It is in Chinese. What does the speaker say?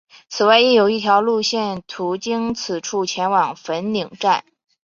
此外亦有一条路线途经此处前往粉岭站。